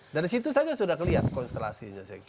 dari situ saja sudah kelihatan konstelasinya